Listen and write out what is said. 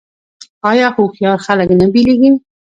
آیا هوښیار خلک نه بیلیږي؟